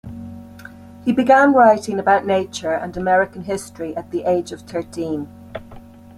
He began writing about nature and American history at the age of thirteen.